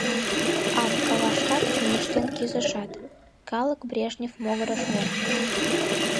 Ак кавашкак чоҥештен кӱзышат, калык Брежнев могырыш вончыш.